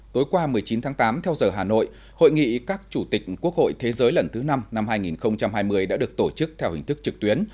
tối qua một mươi chín tháng tám theo giờ hà nội hội nghị các chủ tịch quốc hội thế giới lần thứ năm năm hai nghìn hai mươi đã được tổ chức theo hình thức trực tuyến